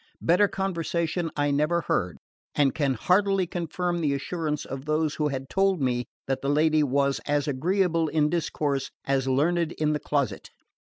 Better conversation I never heard; and can heartily confirm the assurances of those who had told me that the lady was as agreeable in discourse as learned in the closet.